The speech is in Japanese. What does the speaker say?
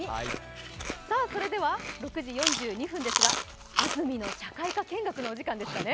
それでは、６時４２分ですが安住の社会科見学のお時間ですかね。